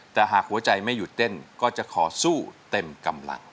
แต่หากหัวใจไม่หยุดเต้นก็จะขอสู้เต็มกำลัง